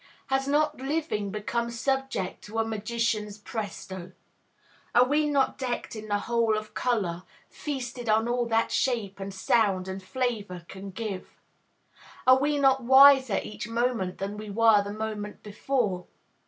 Has not living become subject to a magician's "presto"? Are we not decked in the whole of color, feasted on all that shape and sound and flavor can give? Are we not wiser each moment than we were the moment before?